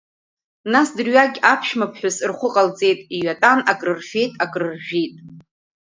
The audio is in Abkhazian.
Нас дырҩагь аԥшәма ԥҳәыс рхәы ҟалҵеит, иҩатәан акрырфеит, акрыржәит.